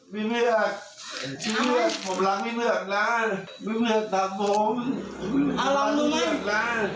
ไม่ได้ทำชายหรอกทำไมไปกับพร้อมกันสิหรอ